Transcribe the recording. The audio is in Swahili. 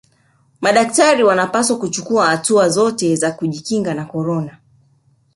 madakitari wanapaswa kuchukua hatua zote za kujikinga na korona